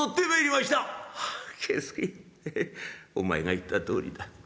ヘヘお前が言ったとおりだ。